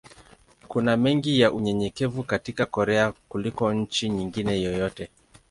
Kuna mengi ya unyenyekevu katika Korea kuliko nchi nyingine yoyote.